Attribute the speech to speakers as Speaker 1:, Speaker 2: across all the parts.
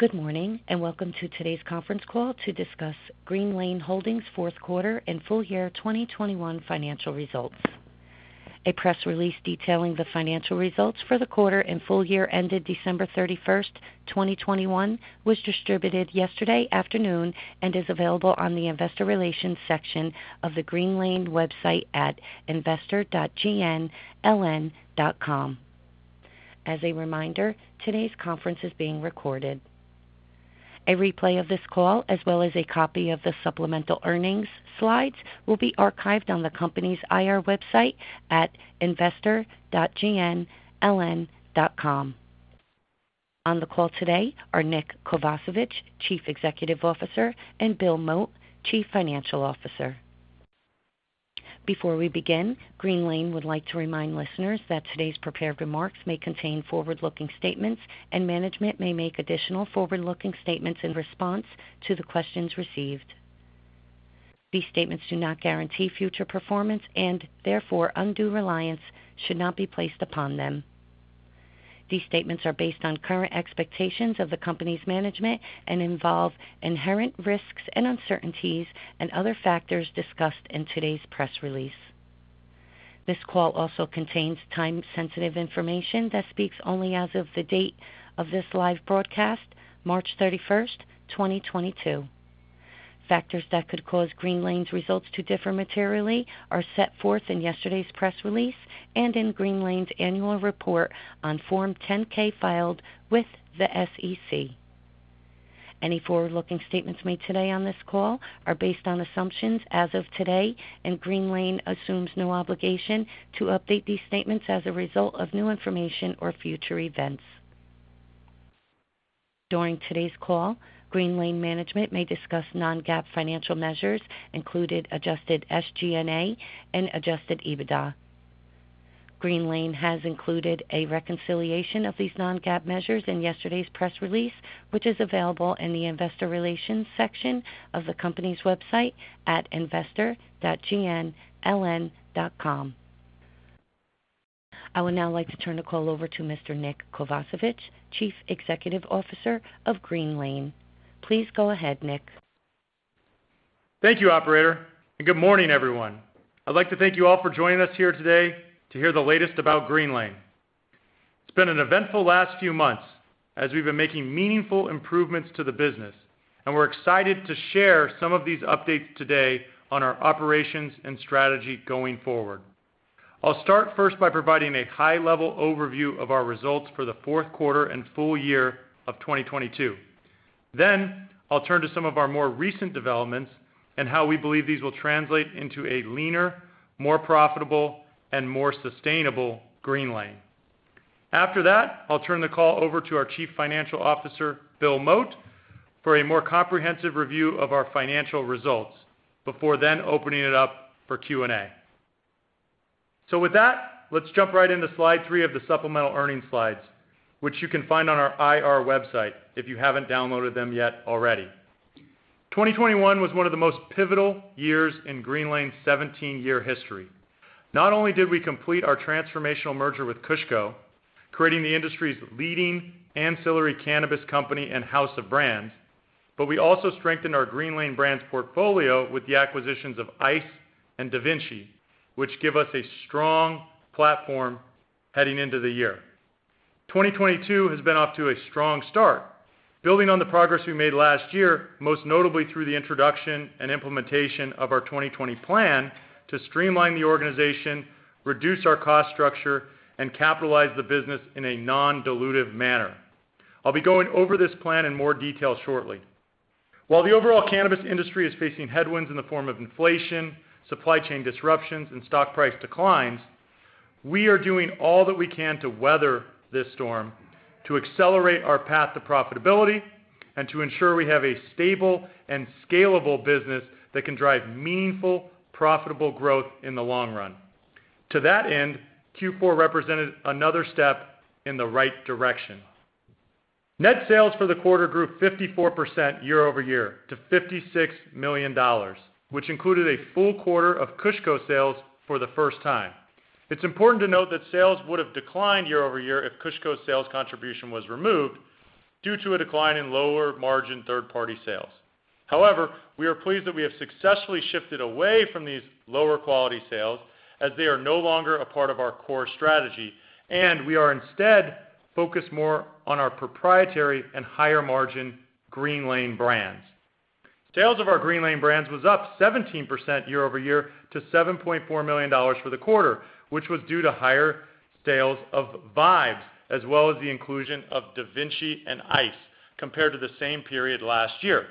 Speaker 1: Good morning, and welcome to today's conference call to discuss Greenlane Holdings fourth quarter and full year 2021 financial results. A press release detailing the financial results for the quarter and full year ended December 31, 2021 was distributed yesterday afternoon and is available on the investor relations section of the Greenlane website at investor.gnln.com. As a reminder, today's conference is being recorded. A replay of this call as well as a copy of the supplemental earnings slides will be archived on the company's IR website at investor.gnln.com. On the call today are Nick Kovacevich, Chief Executive Officer, and Bill Mote, Chief Financial Officer. Before we begin, Greenlane would like to remind listeners that today's prepared remarks may contain forward-looking statements and management may make additional forward-looking statements in response to the questions received. These statements do not guarantee future performance, and therefore undue reliance should not be placed upon them. These statements are based on current expectations of the company's management and involve inherent risks and uncertainties and other factors discussed in today's press release. This call also contains time-sensitive information that speaks only as of the date of this live broadcast, March 31, 2022. Factors that could cause Greenlane's results to differ materially are set forth in yesterday's press release, and in Greenlane's annual report on Form 10-K filed with the SEC. Any forward-looking statements made today on this call are based on assumptions as of today, and Greenlane assumes no obligation to update these statements as a result of new information or future events. During today's call, Greenlane management may discuss non-GAAP financial measures, including adjusted SG&A and adjusted EBITDA. Greenlane has included a reconciliation of these non-GAAP measures in yesterday's press release, which is available in the investor relations section of the company's website at investor.gnln.com. I would now like to turn the call over to Mr. Nick Kovacevich, Chief Executive Officer of Greenlane. Please go ahead, Nick.
Speaker 2: Thank you, operator, and good morning, everyone. I'd like to thank you all for joining us here today to hear the latest about Greenlane. It's been an eventful last few months as we've been making meaningful improvements to the business, and we're excited to share some of these updates today on our operations and strategy going forward. I'll start first by providing a high-level overview of our results for the fourth quarter and full year of 2022. Then I'll turn to some of our more recent developments and how we believe these will translate into a leaner, more profitable, and more sustainable Greenlane. After that, I'll turn the call over to our Chief Financial Officer, Bill Mote, for a more comprehensive review of our financial results before then opening it up for Q&A. With that, let's jump right into slide three of the supplemental earnings slides, which you can find on our IR website if you haven't downloaded them yet already. 2021 was one of the most pivotal years in Greenlane's 17-year history. Not only did we complete our transformational merger with KushCo, creating the industry's leading ancillary cannabis company and house of brands, but we also strengthened our Greenlane Brands portfolio with the acquisitions of Eyce and DaVinci, which give us a strong platform heading into the year. 2022 has been off to a strong start, building on the progress we made last year, most notably through the introduction, and implementation of our 2022 Plan to streamline the organization, reduce our cost structure, and capitalize the business in a non-dilutive manner. I'll be going over this plan in more detail shortly. While the overall cannabis industry is facing headwinds in the form of inflation, supply chain disruptions, and stock price declines, we are doing all that we can to weather this storm, to accelerate our path to profitability, and to ensure we have a stable and scalable business that can drive meaningful, profitable growth in the long run. To that end, Q4 represented another step in the right direction. Net sales for the quarter grew 54% year-over-year to $56 million, which included a full quarter of KushCo sales for the first time. It's important to note that sales would have declined year-over-year if KushCo sales contribution was removed due to a decline in lower margin third-party sales. However, we are pleased that we have successfully shifted away from these lower quality sales as they are no longer a part of our core strategy, and we are instead focused more on our proprietary and higher margin Greenlane Brands. Sales of our Greenlane Brands was up 17% year-over-year to $7.4 million for the quarter, which was due to higher sales of VIBES as well as the inclusion of DaVinci and Eyce compared to the same period last year.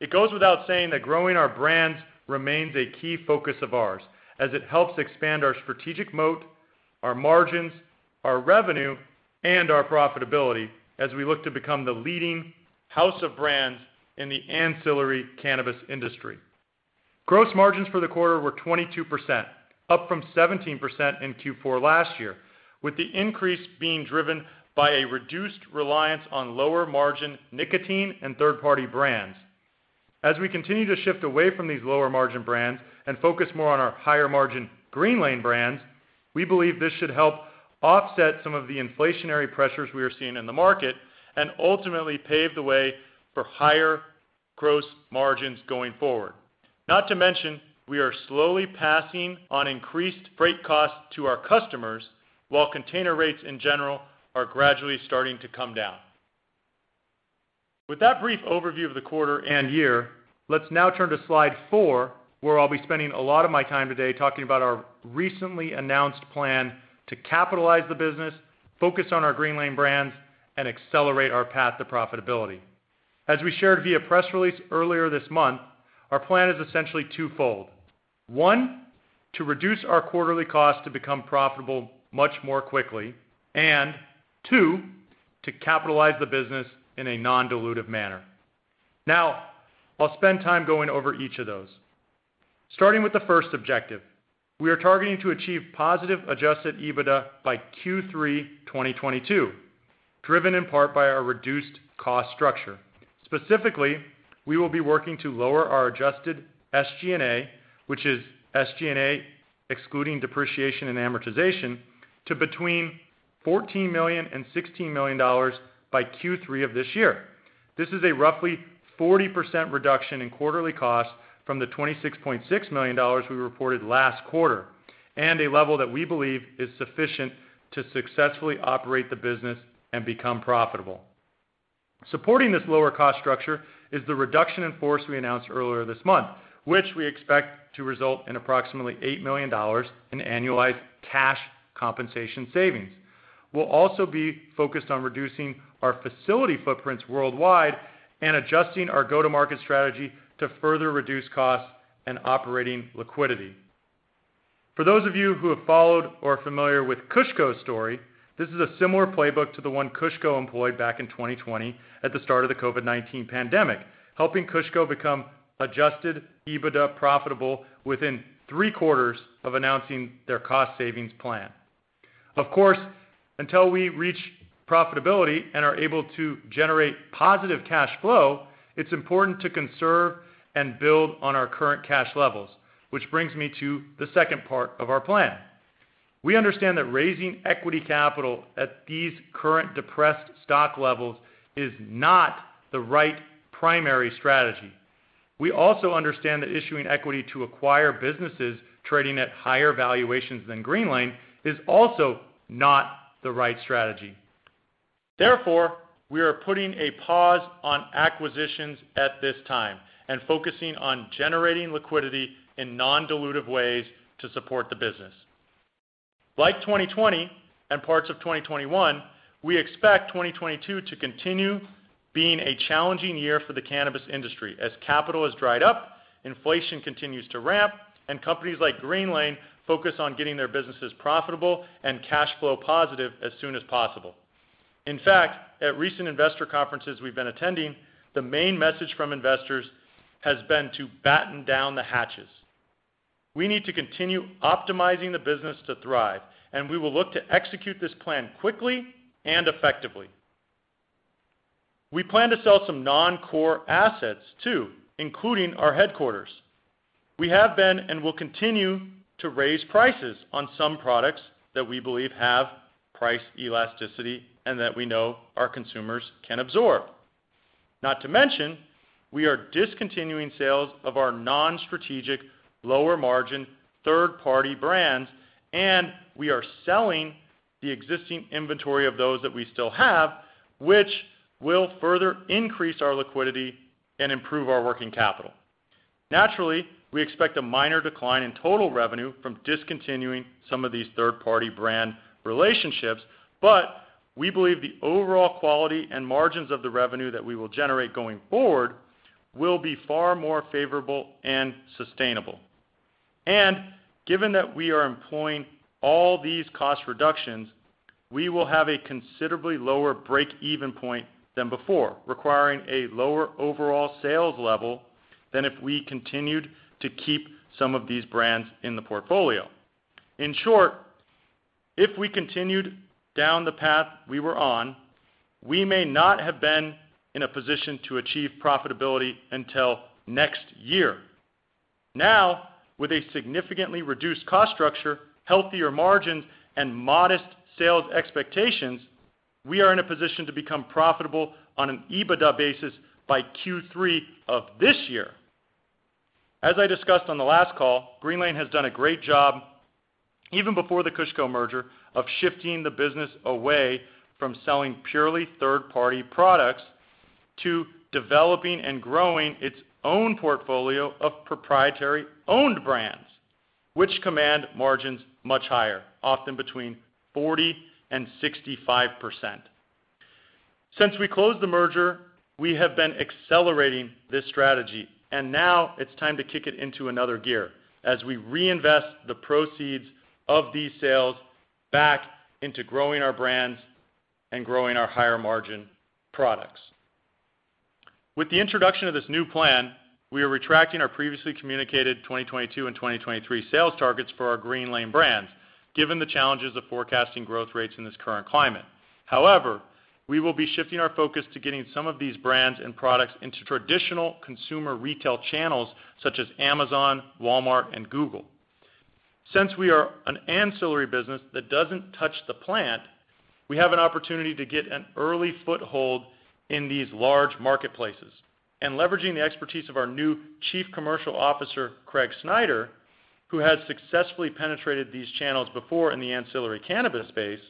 Speaker 2: It goes without saying that growing our brands remains a key focus of ours as it helps expand our strategic moat, our margins, our revenue, and our profitability as we look to become the leading house of brands in the ancillary cannabis industry. Gross margins for the quarter were 22%, up from 17% in Q4 last year, with the increase being driven by a reduced reliance on lower margin nicotine and third-party brands. As we continue to shift away from these lower margin brands and focus more on our higher margin Greenlane brands, we believe this should help offset some of the inflationary pressures we are seeing in the market and ultimately pave the way for higher gross margins going forward. Not to mention, we are slowly passing on increased freight costs to our customers, while container rates in general are gradually starting to come down. With that brief overview of the quarter and year, let's now turn to slide four, where I'll be spending a lot of my time today talking about our recently announced plan to capitalize the business, focus on our Greenlane Brands, and accelerate our path to profitability. As we shared via press release earlier this month, our plan is essentially twofold. One, to reduce our quarterly costs to become profitable much more quickly, and two, to capitalize the business in a non-dilutive manner. Now, I'll spend time going over each of those. Starting with the first objective, we are targeting to achieve positive adjusted EBITDA by Q3 2022, driven in part by our reduced cost structure. Specifically, we will be working to lower our adjusted SG&A, which is SG&A excluding depreciation and amortization, to between $14 million and $16 million by Q3 of this year. This is a roughly 40% reduction in quarterly costs from the $26.6 million we reported last quarter, and a level that we believe is sufficient to successfully operate the business, and become profitable. Supporting this lower cost structure is the reduction in force we announced earlier this month, which we expect to result in approximately $8 million in annualized cash compensation savings. We'll also be focused on reducing our facility footprints worldwide and adjusting our go-to-market strategy to further reduce costs and operating liquidity. For those of you who have followed or are familiar with KushCo's story, this is a similar playbook to the one KushCo employed back in 2020 at the start of the COVID-19 pandemic, helping KushCo become adjusted EBITDA profitable within 3 quarters of announcing their cost savings plan. Of course, until we reach profitability and are able to generate positive cash flow, it's important to conserve, and build on our current cash levels, which brings me to the second part of our plan. We understand that raising equity capital at these current depressed stock levels is not the right primary strategy. We also understand that issuing equity to acquire businesses trading at higher valuations than Greenlane is also not the right strategy. Therefore, we are putting a pause on acquisitions at this time and focusing on generating liquidity in non-dilutive ways to support the business. Like 2020 and parts of 2021, we expect 2022 to continue being a challenging year for the cannabis industry as capital has dried up, inflation continues to ramp, and companies like Greenlane focus on getting their businesses profitable and cash flow positive as soon as possible. In fact, at recent investor conferences we've been attending, the main message from investors has been to batten down the hatches. We need to continue optimizing the business to thrive, and we will look to execute this plan quickly and effectively. We plan to sell some non-core assets too, including our headquarters. We have been and will continue to raise prices on some products that we believe have price elasticity and that we know our consumers can absorb. Not to mention, we are discontinuing sales of our non-strategic, lower-margin, third-party brands, and we are selling the existing inventory of those that we still have, which will further increase our liquidity and improve our working capital. Naturally, we expect a minor decline in total revenue from discontinuing some of these third-party brand relationships, but we believe the overall quality and margins of the revenue that we will generate going forward will be far more favorable and sustainable. Given that we are employing all these cost reductions, we will have a considerably lower break-even point than before, requiring a lower overall sales level than if we continued to keep some of these brands in the portfolio. In short, if we continued down the path we were on, we may not have been in a position to achieve profitability until next year. Now, with a significantly reduced cost structure, healthier margins, and modest sales expectations, we are in a position to become profitable on an EBITDA basis by Q3 of this year. As I discussed on the last call, Greenlane has done a great job, even before the KushCo merger, of shifting the business away from selling purely third-party products to developing, and growing its own portfolio of proprietary-owned brands, which command margins much higher, often between 40% and 65%. Since we closed the merger, we have been accelerating this strategy, and now it's time to kick it into another gear as we reinvest the proceeds of these sales back into growing our brands, and growing our higher-margin products. With the introduction of this new plan, we are retracting our previously communicated 2022 and 2023 sales targets for our Greenlane brands, given the challenges of forecasting growth rates in this current climate. However, we will be shifting our focus to getting some of these brands and products into traditional consumer retail channels such as Amazon, Walmart, and Google. Since we are an ancillary business that doesn't touch the plant, we have an opportunity to get an early foothold in these large marketplaces. Leveraging the expertise of our new Chief Commercial Officer, Craig Snyder, who has successfully penetrated these channels before in the ancillary cannabis space,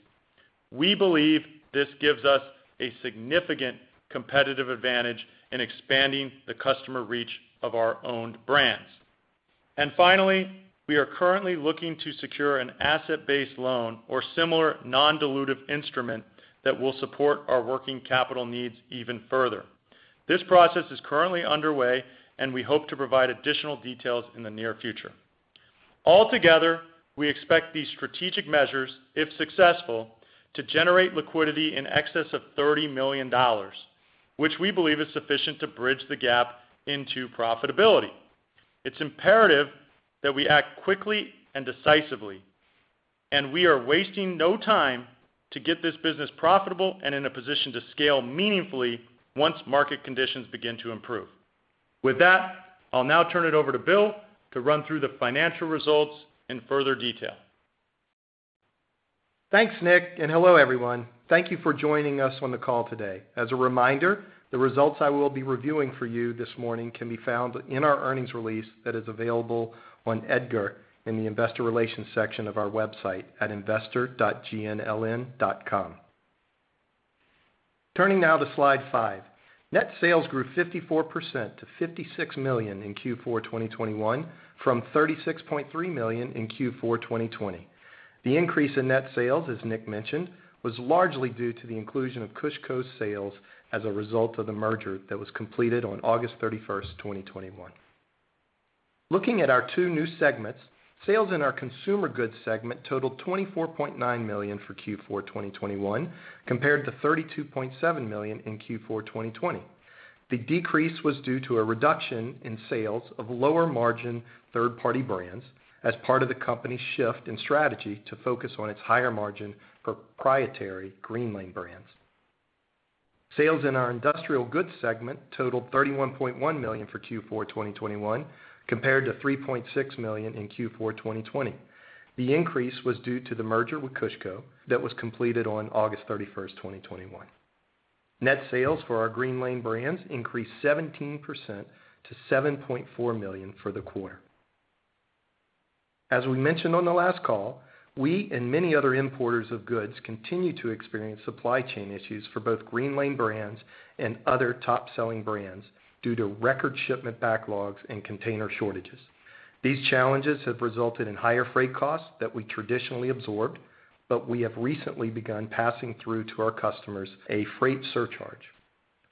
Speaker 2: we believe this gives us a significant competitive advantage in expanding the customer reach of our owned brands. Finally, we are currently looking to secure an asset-based loan or similar non-dilutive instrument that will support our working capital needs even further. This process is currently underway, and we hope to provide additional details in the near future. All together, we expect these strategic measures, if successful, to generate liquidity in excess of $30 million, which we believe is sufficient to bridge the gap into profitability. It's imperative that we act quickly and decisively, and we are wasting no time to get this business profitable and in a position to scale meaningfully once market conditions begin to improve. With that, I'll now turn it over to Bill to run through the financial results in further detail.
Speaker 3: Thanks, Nick. Hello, everyone. Thank you for joining us on the call today. As a reminder, the results I will be reviewing for you this morning can be found in our earnings release that is available on EDGAR in the investor relations section of our website at investor.gnln.com. Turning now to slide five. Net sales grew 54% to $56 million in Q4 2021 from $36.3 million in Q4 2020. The increase in net sales, as Nick mentioned, was largely due to the inclusion of KushCo sales as a result of the merger that was completed on August 31, 2021. Looking at our two new segments, sales in our Consumer Goods segment totaled $24.9 million for Q4 2021, compared to $32.7 million in Q4 2020. The decrease was due to a reduction in sales of lower margin third-party brands as part of the company's shift in strategy to focus on its higher margin proprietary Greenlane Brands. Sales in our Industrial Goods segment totaled $31.1 million for Q4 2021, compared to $3.6 million in Q4 2020. The increase was due to the merger with KushCo that was completed on August 31, 2021. Net sales for our Greenlane Brands increased 17% to $7.4 million for the quarter. As we mentioned on the last call, we and many other importers of goods continue to experience supply chain issues for both Greenlane Brands and other top selling brands due to record shipment backlogs and container shortages. These challenges have resulted in higher freight costs that we traditionally absorbed, but we have recently begun passing through to our customers a freight surcharge.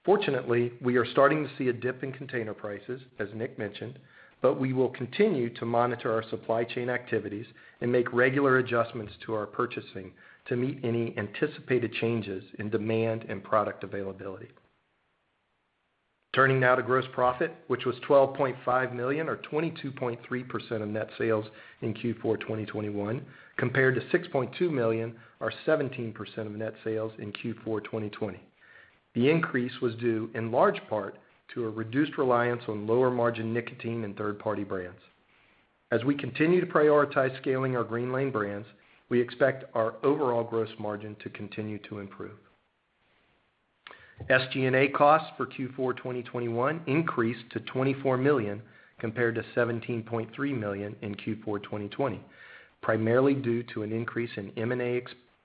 Speaker 3: Fortunately, we are starting to see a dip in container prices, as Nick mentioned, but we will continue to monitor our supply chain activities and make regular adjustments to our purchasing to meet any anticipated changes in demand and product availability. Turning now to gross profit, which was $12.5 million or 22.3% of net sales in Q4 2021, compared to $6.2 million or 17% of net sales in Q4 2020. The increase was due in large part to a reduced reliance on lower margin nicotine and third-party brands. As we continue to prioritize scaling our Greenlane brands, we expect our overall gross margin to continue to improve. SG&A costs for Q4 2021 increased to $24 million compared to $17.3 million in Q4 2020, primarily due to an increase in M&A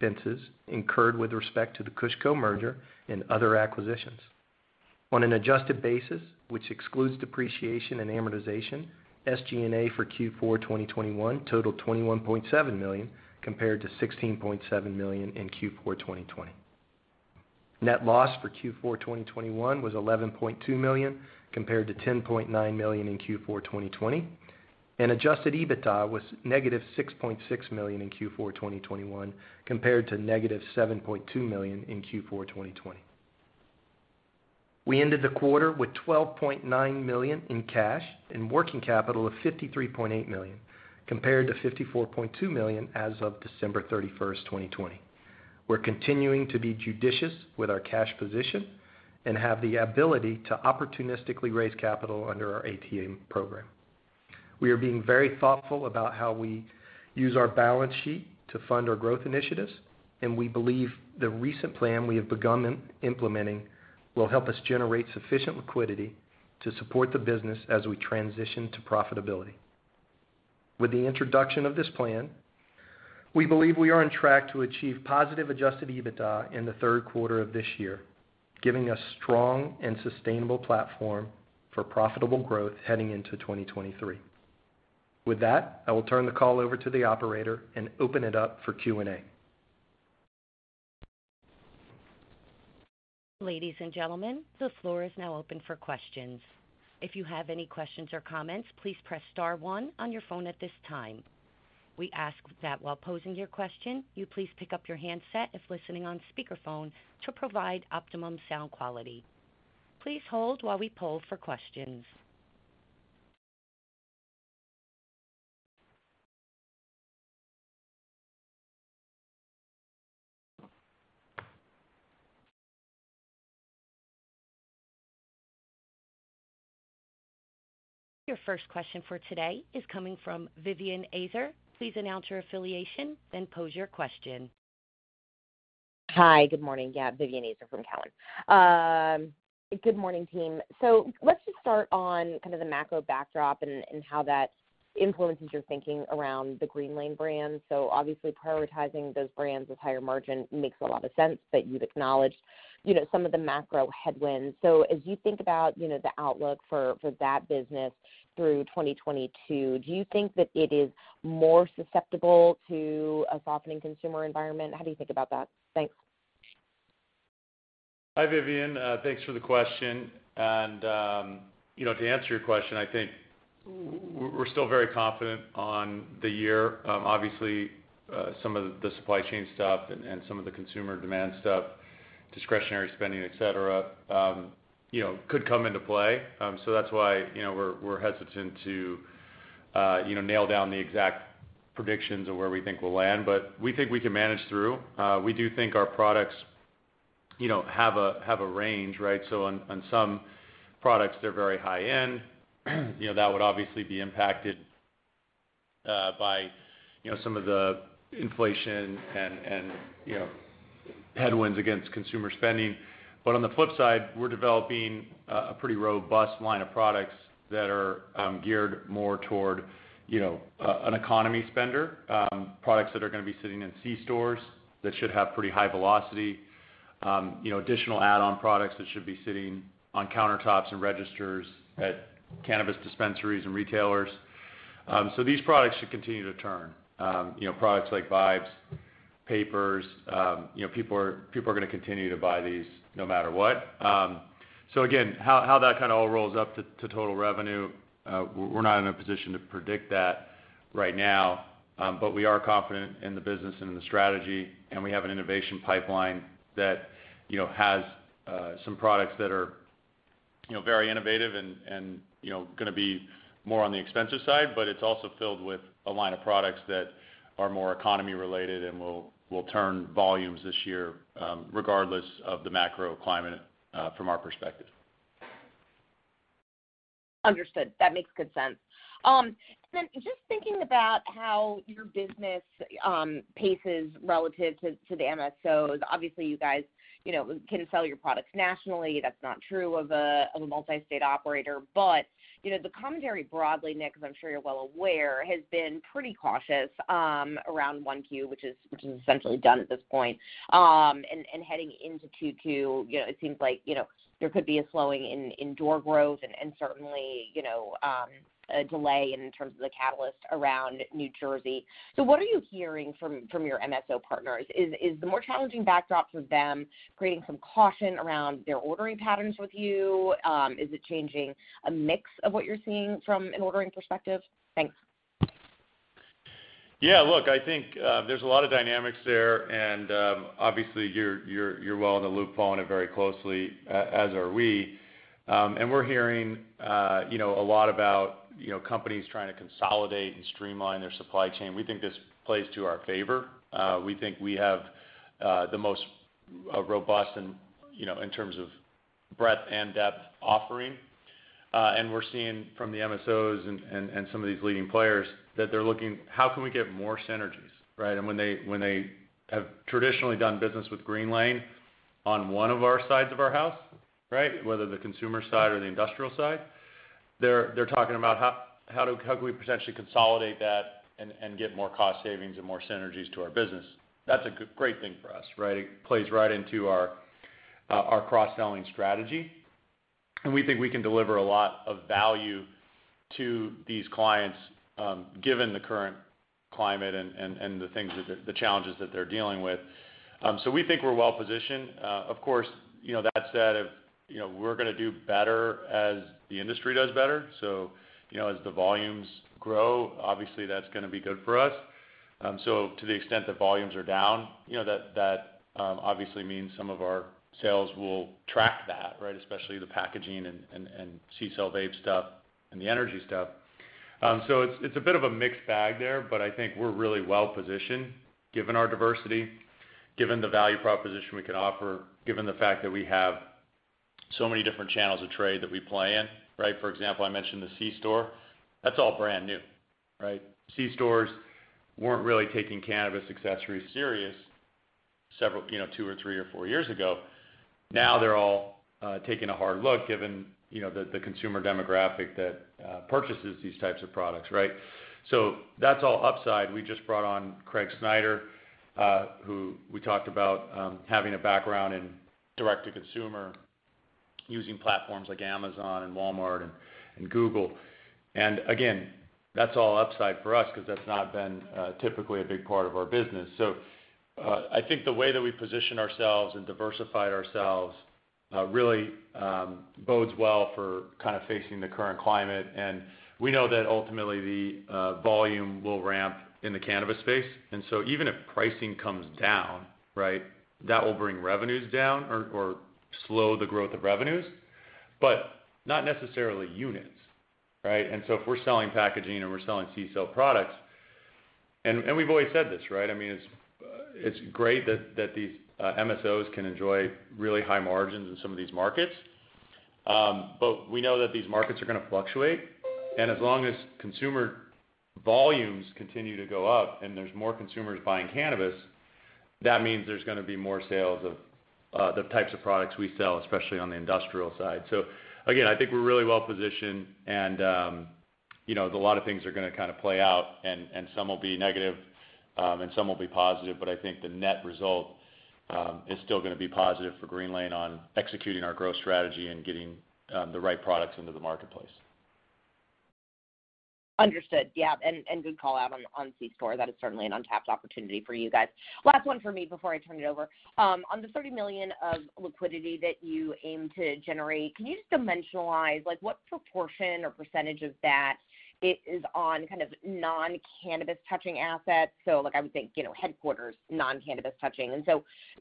Speaker 3: expenses incurred with respect to the KushCo merger and other acquisitions. On an adjusted basis, which excludes depreciation and amortization, SG&A for Q4 2021 totaled $21.7 million, compared to $16.7 million in Q4 2020. Net loss for Q4 2021 was $11.2 million, compared to $10.9 million in Q4 2020, and adjusted EBITDA was -$6.6 million in Q4 2021, compared to -$7.2 million in Q4 2020. We ended the quarter with $12.9 million in cash and working capital of $53.8 million, compared to $54.2 million as of December 31, 2020. We're continuing to be judicious with our cash position, and have the ability to opportunistically raise capital under our ATM program. We are being very thoughtful about how we use our balance sheet to fund our growth initiatives, and we believe the recent plan we have begun implementing will help us generate sufficient liquidity to support the business as we transition to profitability. With the introduction of this plan, we believe we are on track to achieve positive adjusted EBITDA in the third quarter of this year, giving a strong and sustainable platform for profitable growth heading into 2023. With that, I will turn the call over to the operator and open it up for Q&A.
Speaker 1: Ladies and gentlemen, the floor is now open for questions. If you have any questions or comments, please press star one on your phone at this time. We ask that while posing your question, you please pick up your handset if listening on speakerphone to provide optimum sound quality. Please hold while we poll for questions. Your first question for today is coming from Vivien Azer. Please announce your affiliation, then pose your question.
Speaker 4: Hi, good morning. Yeah, Vivien Azer from Cowen. Good morning, team. Let's just start on kind of the macro backdrop and how that influences your thinking around the Greenlane brand. Obviously prioritizing those brands with higher margin makes a lot of sense, but you've acknowledged, you know, some of the macro headwinds. As you think about, you know, the outlook for that business through 2022, do you think that it is more susceptible to a softening consumer environment? How do you think about that? Thanks.
Speaker 2: Hi, Vivien. Thanks for the question. You know, to answer your question, I think we're still very confident on the year. Obviously, some of the supply chain stuff and some of the consumer demand stuff, discretionary spending, et cetera, you know, could come into play. That's why, you know, we're hesitant to, you know, nail down the exact predictions of where we think we'll land, but we think we can manage through. We do think our products, you know, have a range, right? On some products they're very high-end, you know, that would obviously be impacted by, you know, some of the inflation and, you know, headwinds against consumer spending. On the flip side, we're developing a pretty robust line of products that are geared more toward, you know, an economy spender. Products that are gonna be sitting in C stores that should have pretty high velocity. You know, additional add-on products that should be sitting on countertops and registers at cannabis dispensaries and retailers. So these products should continue to turn. You know, products like VIBES papers, you know, people are gonna continue to buy these no matter what. So again, how that kind of all rolls up to total revenue, we're not in a position to predict that right now. We are confident in the business and in the strategy, and we have an innovation pipeline that, you know, has some products that are, you know, very innovative and you know, gonna be more on the expensive side, but it's also filled with a line of products that are more economy related and will turn volumes this year, regardless of the macro climate, from our perspective.
Speaker 4: Understood. That makes good sense. Then just thinking about how your business paces relative to the MSOs. Obviously you guys, you know, can sell your products nationally. That's not true of a multi-state operator. You know, the commentary broadly, Nick, as I'm sure you're well aware, has been pretty cautious around Q1, which is essentially done at this point. And heading into Q2, you know, it seems like, you know, there could be a slowing in door growth and certainly, you know, a delay in terms of the catalyst around New Jersey. What are you hearing from your MSO partners? Is the more challenging backdrop for them creating some caution around their ordering patterns with you? Is it changing a mix of what you're seeing from an ordering perspective? Thanks.
Speaker 2: Yeah, look, I think there's a lot of dynamics there and obviously you're well in the loop following it very closely, as are we. We're hearing you know a lot about you know companies trying to consolidate, and streamline their supply chain. We think this plays to our favor. We think we have the most robust and you know in terms of breadth and depth offering. We're seeing from the MSOs and some of these leading players that they're looking, how can we get more synergies, right? When they have traditionally done business with Greenlane on one of our sides of our house, right? Whether the consumer side or the industrial side, they're talking about how can we potentially consolidate that, and get more cost savings and more synergies to our business? That's a great thing for us, right? It plays right into our cross-selling strategy, and we think we can deliver a lot of value to these clients, given the current climate, and the challenges that they're dealing with. We think we're well positioned. Of course, you know, that said, you know, we're gonna do better as the industry does better. You know, as the volumes grow, obviously that's gonna be good for us. To the extent that volumes are down, you know, that obviously means some of our sales will track that, right? Especially the packaging and CCELL vape stuff and the energy stuff. So it's a bit of a mixed bag there, but I think we're really well positioned given our diversity, given the value proposition we can offer, given the fact that we have so many different channels of trade that we play in, right? For example, I mentioned the c-store, that's all brand new, right? C-stores weren't really taking cannabis accessories seriously several years ago. You know, two or three or four years ago. Now they're all taking a hard look given the consumer demographic that purchases these types of products, right? That's all upside. We just brought on Craig Snyder, who we talked about, having a background in direct-to-consumer using platforms like Amazon and Walmart and Google. Again, that's all upside for us 'cause that's not been typically a big part of our business. I think the way that we position ourselves and diversified ourselves really bodes well for kind of facing the current climate. We know that ultimately the volume will ramp in the cannabis space. Even if pricing comes down, right, that will bring revenues down or slow the growth of revenues, but not necessarily units, right? If we're selling packaging or we're selling CCELL products. We've always said this, right? I mean, it's great that these MSOs can enjoy really high margins in some of these markets. We know that these markets are gonna fluctuate. As long as consumer volumes continue to go up and there's more consumers buying cannabis, that means there's gonna be more sales of the types of products we sell, especially on the industrial side. Again, I think we're really well positioned and, you know, a lot of things are gonna kind of play out, and some will be negative, and some will be positive, but I think the net result is still gonna be positive for Greenlane on executing our growth strategy and getting the right products into the marketplace.
Speaker 4: Understood. Yeah, and good call out on c-store. That is certainly an untapped opportunity for you guys. Last one for me before I turn it over. On the $30 million of liquidity that you aim to generate, can you just dimensionalize, like, what proportion or percentage of that is on kind of non-cannabis touching assets? Like I would think, you know, headquarters, non-cannabis touching.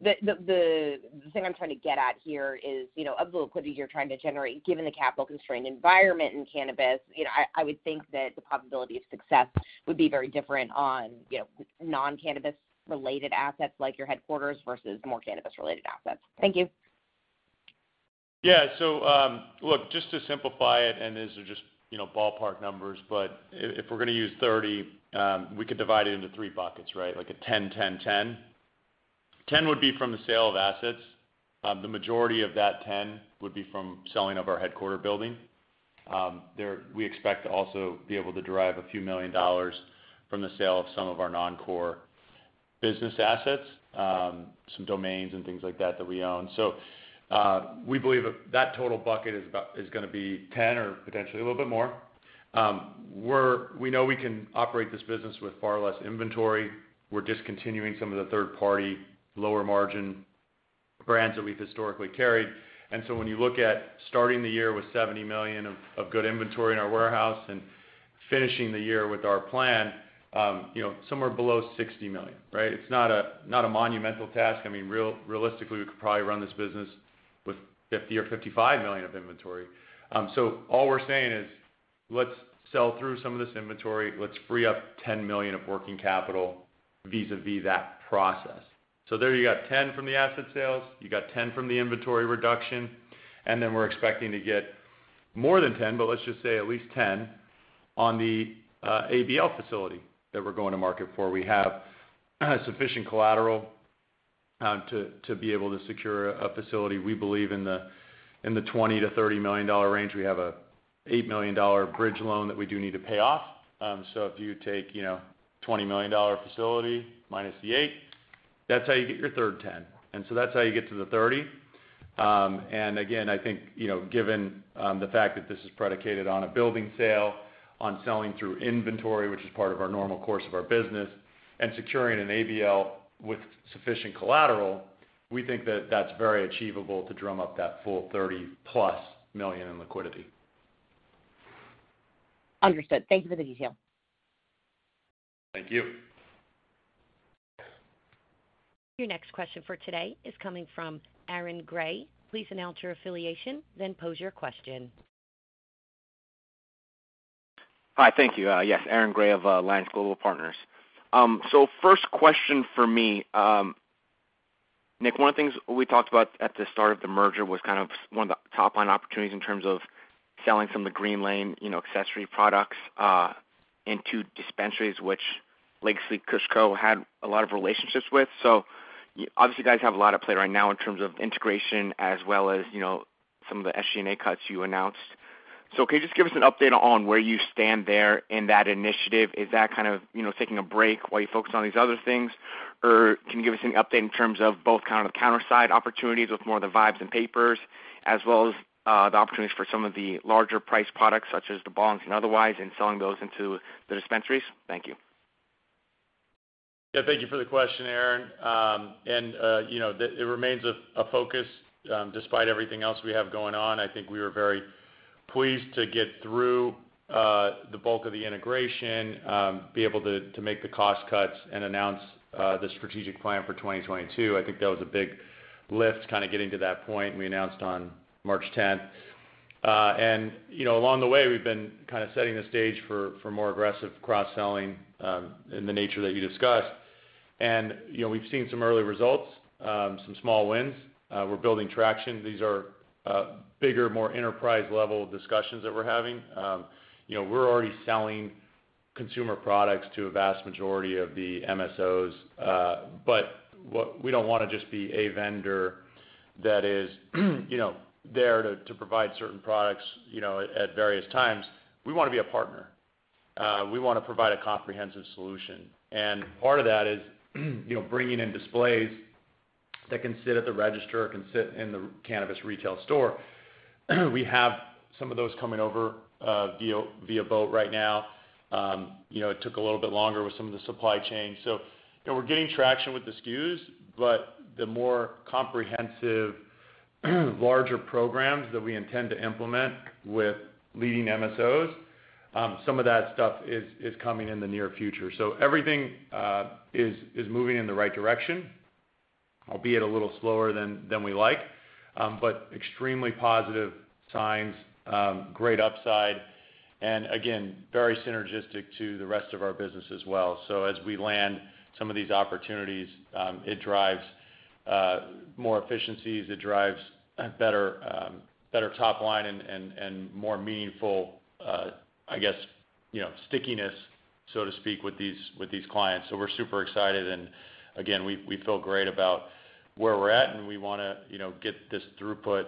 Speaker 4: The thing I'm trying to get at here is, you know, of the liquidity you're trying to generate, given the capital constrained environment in cannabis, you know, I would think that the probability of success would be very different on, you know, non-cannabis related assets like your headquarters versus more cannabis related assets. Thank you.
Speaker 2: Yeah. Look, just to simplify it, and these are just, you know, ballpark numbers, but if we're gonna use 30, we could divide it into 3 buckets, right? Like 10, 10. 10 would be from the sale of assets. The majority of that 10 would be from selling of our headquarters building. We expect to also be able to derive $a few million from the sale of some of our non-core business assets, some domains and things like that we own. We believe that total bucket is gonna be 10 or potentially a little bit more. We know we can operate this business with far less inventory. We're discontinuing some of the third party lower margin brands that we've historically carried. when you look at starting the year with $70 million of good inventory in our warehouse and finishing the year with our plan, you know, somewhere below $60 million, right? It's not a monumental task. I mean, realistically, we could probably run this business with $50 or $55 million of inventory. All we're saying is, let's sell through some of this inventory. Let's free up $10 million of working capital vis-à-vis that process. There you got $10 from the asset sales, you got $10 from the inventory reduction, and then we're expecting to get more than $10, but let's just say at least $10 on the ABL facility that we're going to market for. We have sufficient collateral to be able to secure a facility, we believe in the $20-$30 million range. We have an $8 million bridge loan that we do need to pay off. So if you take, you know, $20 million facility minus the 8, that's how you get your 12. That's how you get to the 30. Again, I think, you know, given the fact that this is predicated on a building sale, on selling through inventory, which is part of our normal course of our business, and securing an ABL with sufficient collateral, we think that that's very achievable to drum up that full $30+ million in liquidity.
Speaker 4: Understood. Thank you for the detail.
Speaker 2: Thank you.
Speaker 1: Your next question for today is coming from Aaron Grey. Please announce your affiliation, then pose your question.
Speaker 5: Hi. Thank you. Yes. Aaron Grey of Alliance Global Partners. So first question for me, Nick, one of the things we talked about at the start of the merger was kind of one of the top line opportunities in terms of selling some of the Greenlane, you know, accessory products into dispensaries, which Legacy KushCo had a lot of relationships with. Obviously, you guys have a lot of play right now in terms of integration as well as, you know, some of the SG&A cuts you announced. So can you just give us an update on where you stand there in that initiative? Is that kind of, you know, taking a break while you focus on these other things? Can you give us any update in terms of both kind of the counter side opportunities with more of the VIBES and papers, as well as, the opportunities for some of the larger priced products such as the bongs and otherwise, and selling those into the dispensaries? Thank you.
Speaker 2: Yeah, thank you for the question, Aaron. You know, it remains a focus despite everything else we have going on. I think we were very pleased to get through the bulk of the integration, be able to make the cost cuts and announce the strategic plan for 2022. I think that was a big lift kind of getting to that point, and we announced on March tenth. You know, along the way, we've been kind of setting the stage for more aggressive cross-selling in the nature that you discussed. You know, we've seen some early results, some small wins. We're building traction. These are bigger, more enterprise level discussions that we're having. You know, we're already selling consumer products to a vast majority of the MSOs. We don't wanna just be a vendor that is, you know, there to provide certain products, you know, at various times. We wanna be a partner. We wanna provide a comprehensive solution. Part of that is, you know, bringing in displays that can sit at the register or can sit in the cannabis retail store. We have some of those coming over via boat right now. You know, it took a little bit longer with some of the supply chain. We're gaining traction with the SKUs, but the more comprehensive, larger programs that we intend to implement with leading MSOs, some of that stuff is coming in the near future. Everything is moving in the right direction, albeit a little slower than we like, but extremely positive signs, great upside, and again, very synergistic to the rest of our business as well. As we land some of these opportunities, it drives more efficiencies, better top line and more meaningful, I guess, you know, stickiness, so to speak, with these clients. We're super excited, and again, we feel great about where we're at, and we wanna, you know, get this throughput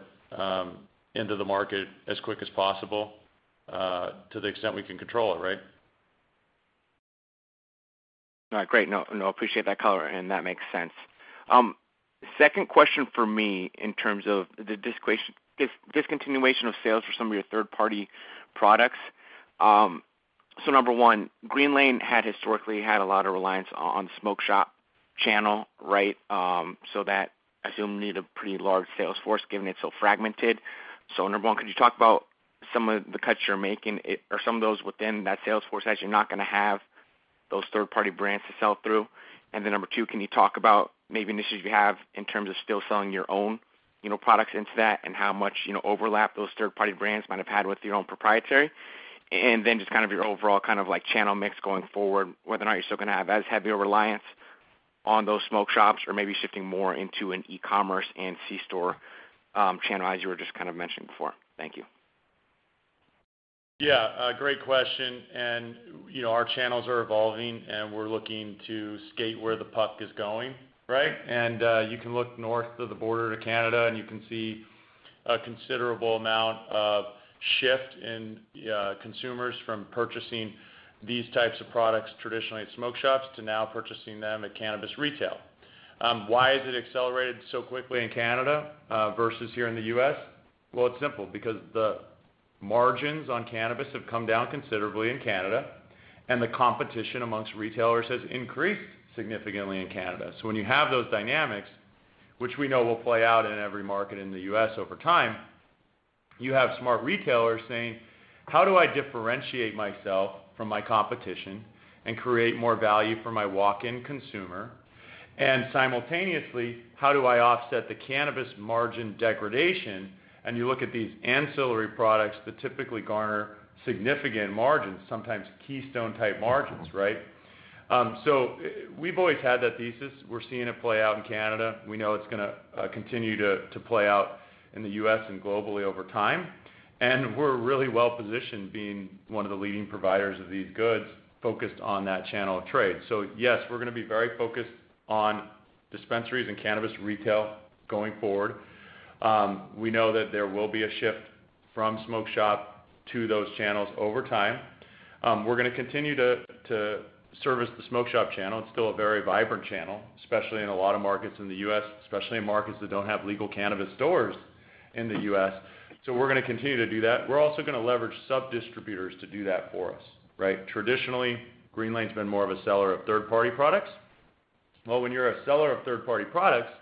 Speaker 2: into the market as quick as possible, to the extent we can control it, right?
Speaker 5: All right, great. No, no, appreciate that color, and that makes sense. Second question for me in terms of the discontinuation of sales for some of your third-party products. So number one, Greenlane had historically had a lot of reliance on smoke shop channel, right? So that I assume need a pretty large sales force given it's so fragmented. Number one, could you talk about some of the cuts you're making or some of those within that sales force as you're not gonna have those third-party brands to sell through? Then number two, can you talk about maybe initiatives you have in terms of still selling your own, you know, products into that, and how much, you know, overlap those third-party brands might have had with your own proprietary? Just kind of your overall kind of like channel mix going forward, whether or not you're still gonna have as heavy a reliance on those smoke shops or maybe shifting more into an e-commerce and C store channel as you were just kind of mentioning before. Thank you.
Speaker 2: Yeah, a great question. You know, our channels are evolving, and we're looking to skate where the puck is going, right? You can look north of the border to Canada, and you can see a considerable amount of shift in consumers from purchasing these types of products traditionally at smoke shops to now purchasing them at cannabis retail. Why has it accelerated so quickly in Canada versus here in the U.S.? Well, it's simple, because the margins on cannabis have come down considerably in Canada, and the competition amongst retailers has increased significantly in Canada. When you have those dynamics, which we know will play out in every market in the U.S. over time, you have smart retailers saying, "How do I differentiate myself from my competition and create more value for my walk-in consumer? Simultaneously, how do I offset the cannabis margin degradation? You look at these ancillary products that typically garner significant margins, sometimes keystone type margins, right? We've always had that thesis. We're seeing it play out in Canada. We know it's gonna continue to play out in the US and globally over time. We're really well positioned being one of the leading providers of these goods focused on that channel of trade. Yes, we're gonna be very focused on dispensaries, and cannabis retail going forward. We know that there will be a shift from smoke shop to those channels over time. We're gonna continue to service the smoke shop channel. It's still a very vibrant channel, especially in a lot of markets in the US, especially in markets that don't have legal cannabis stores in the US. We're gonna continue to do that. We're also gonna leverage sub-distributors to do that for us, right? Traditionally, Greenlane's been more of a seller of third-party products. Well, when you're a seller of third-party products,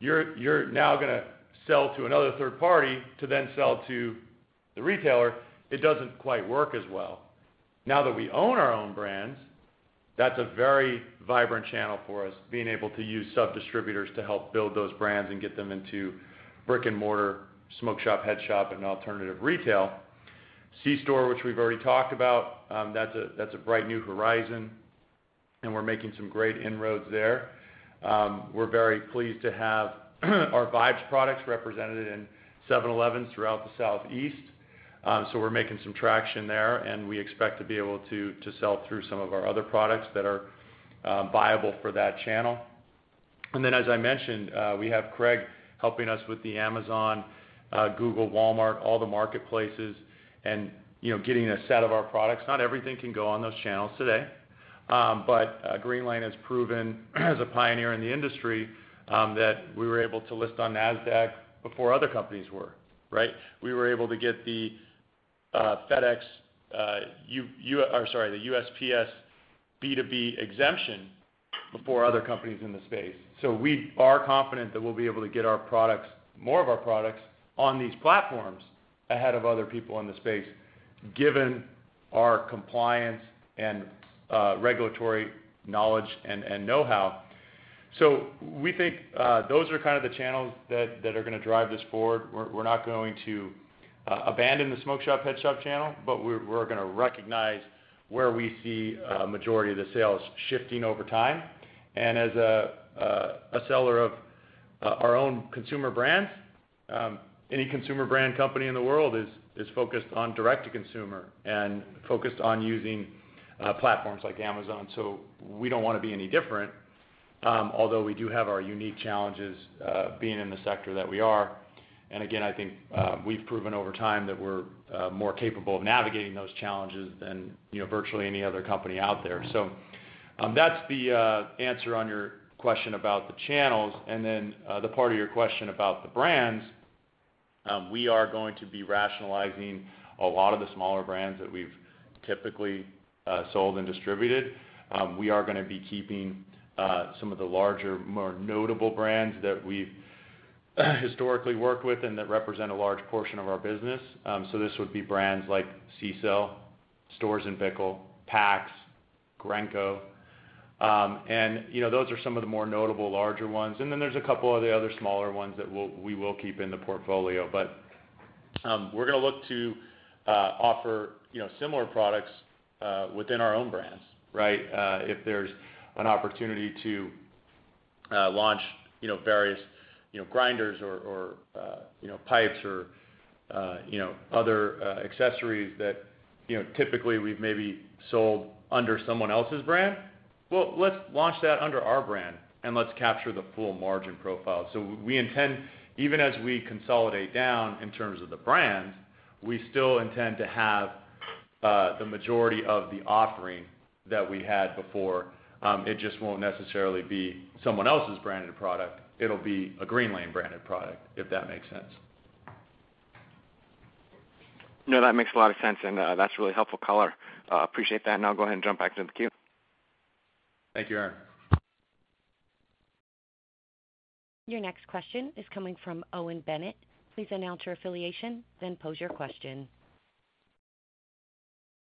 Speaker 2: you're now gonna sell to another third party to then sell to the retailer. It doesn't quite work as well. Now that we own our own brands, that's a very vibrant channel for us, being able to use sub-distributors to help build those brands and get them into brick-and-mortar smoke shop, head shop, and alternative retail. C store, which we've already talked about, that's a bright new horizon, and we're making some great inroads there. We're very pleased to have our VIBES products represented in 7-Elevens throughout the Southeast. We're making some traction there, and we expect to be able to sell through some of our other products that are viable for that channel. As I mentioned, we have Craig helping us with the Amazon, Google, Walmart, all the marketplaces and, you know, getting a set of our products. Not everything can go on those channels today. Greenlane has proven as a pioneer in the industry that we were able to list on Nasdaq before other companies were, right? We were able to get the USPS B2B exemption before other companies in the space. We are confident that we'll be able to get our products, more of our products on these platforms ahead of other people in the space, given our compliance and regulatory knowledge and know-how. We think those are kind of the channels that are gonna drive this forward. We're not going to abandon the smoke shop, head shop channel, but we're gonna recognize where we see a majority of the sales shifting over time. As a seller of our own consumer brands, any consumer brand company in the world is focused on direct to consumer and focused on using platforms like Amazon. We don't wanna be any different, although we do have our unique challenges being in the sector that we are. I think we've proven over time that we're more capable of navigating those challenges than you know virtually any other company out there. That's the answer on your question about the channels. The part of your question about the brands, we are going to be rationalizing a lot of the smaller brands that we've typically sold, and distributed. We are gonna be keeping some of the larger, more notable brands that we've historically worked with and that represent a large portion of our business. This would be brands like CCELL, Storz & Bickel, PAX, Grenco. Those are some of the more notable larger ones. There's a couple of the other smaller ones that we will keep in the portfolio. We're gonna look to offer, you know, similar products within our own brands, right? If there's an opportunity to launch, you know, various, you know, grinders or, you know, pipes or, you know, other accessories that, you know, typically we've maybe sold under someone else's brand, well, let's launch that under our brand, and let's capture the full margin profile. We intend—even as we consolidate down in terms of the brands, we still intend to have the majority of the offering that we had before. It just won't necessarily be someone else's branded product, it'll be a Greenlane branded product, if that makes sense.
Speaker 5: No, that makes a lot of sense, and that's really helpful color. Appreciate that. I'll go ahead and jump back to the queue.
Speaker 2: Thank you, Aaron.
Speaker 1: Your next question is coming from Owen Bennett. Please announce your affiliation, then pose your question.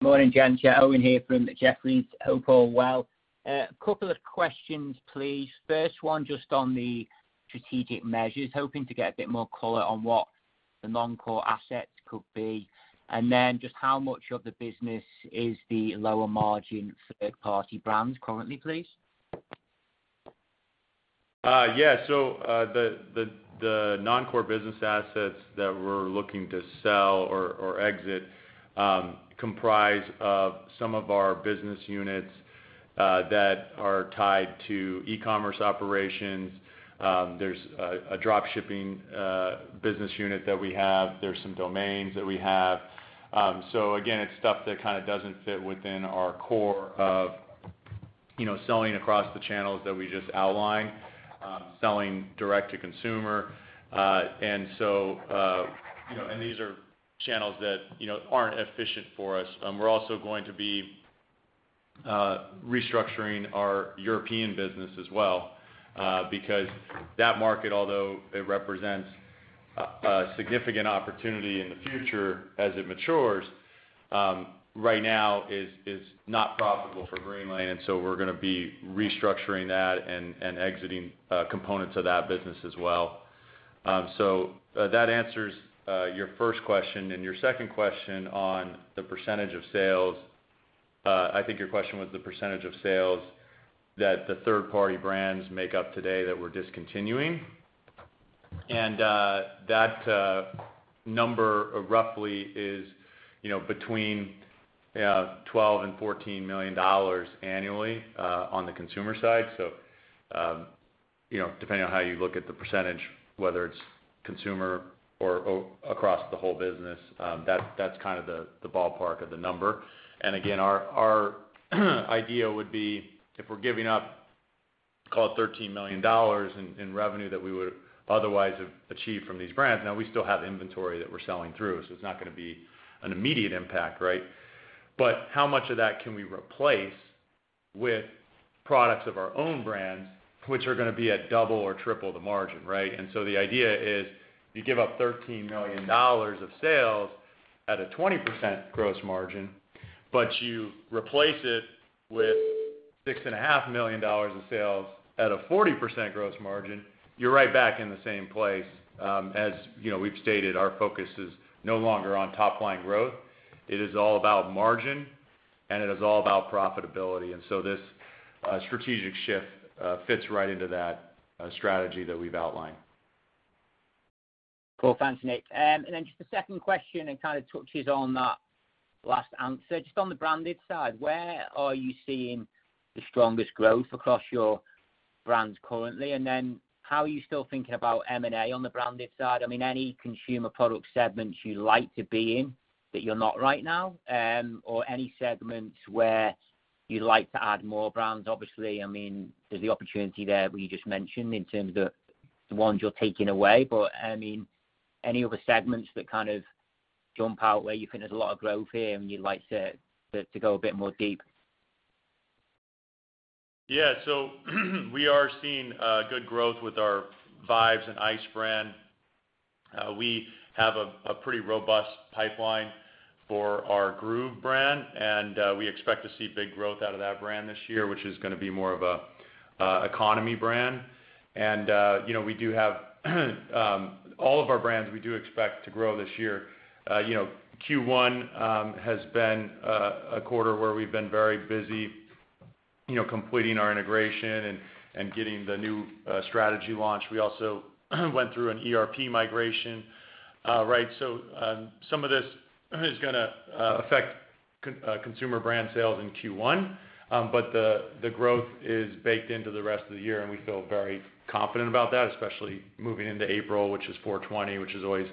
Speaker 6: Morning, gents. Yeah, Owen here from Jefferies. Hope all well. A couple of questions, please. First one, just on the strategic measures, hoping to get a bit more color on what the non-core assets could be. Just how much of the business is the lower margin third-party brands currently, please?
Speaker 2: Yeah. The non-core business assets that we're looking to sell or exit comprise of some of our business units that are tied to e-commerce operations. There's a drop shipping business unit that we have. There's some domains that we have. Again, it's stuff that kinda doesn't fit within our core of, you know, selling across the channels that we just outlined, selling direct to consumer. You know, and these are channels that, you know, aren't efficient for us. We're also going to be restructuring our European business as well, because that market, although it represents a significant opportunity in the future as it matures, right now is not profitable for Greenlane, and so we're gonna be restructuring that and exiting components of that business as well. That answers your first question. Your second question on the percentage of sales, I think your question was the percentage of sales that the third-party brands make up today that we're discontinuing. That number roughly is, you know, between $12 million and $14 million annually, on the consumer side. You know, depending on how you look at the percentage, whether it's consumer or across the whole business, that's kind of the ballpark of the number. Again, our idea would be if we're giving up, call it $13 million in revenue that we would otherwise have achieved from these brands. Now, we still have inventory that we're selling through, so it's not gonna be an immediate impact, right? How much of that can we replace with products of our own brands, which are gonna be at double or triple the margin, right? The idea is you give up $13 million of sales at a 20% gross margin, but you replace it with $6.5 million in sales at a 40% gross margin, you're right back in the same place. As you know, we've stated, our focus is no longer on top-line growth. It is all about margin, and it is all about profitability. This strategic shift fits right into that strategy that we've outlined.
Speaker 6: Cool. Thanks, Nick. Just a second question, and kind of touches on that last answer. Just on the branded side, where are you seeing the strongest growth across your brands currently? How are you still thinking about M&A on the branded side? I mean, any consumer product segments you like to be in that you're not right now, or any segments where you'd like to add more brands? Obviously, I mean, there's the opportunity there we just mentioned in terms of the ones you're taking away. I mean, any other segments that kind of jump out where you think there's a lot of growth here and you'd like to go a bit more deep?
Speaker 2: Yeah. We are seeing good growth with our VIBES and Eyce brand. We have a pretty robust pipeline for our Groove brand, and we expect to see big growth out of that brand this year, which is gonna be more of a economy brand. You know, we do have all of our brands we do expect to grow this year. You know, Q1 has been a quarter where we've been very busy, you know, completing our integration and getting the new strategy launch. We also went through an ERP migration, right? Some of this is gonna affect consumer brand sales in Q1. The growth is baked into the rest of the year, and we feel very confident about that, especially moving into April, which is 4/20, which is always